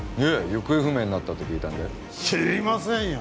行方不明になったって聞いたので知りませんよ